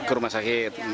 ke rumah sakit